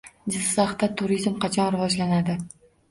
Jizzaxda turizm qachon rivojlanadi?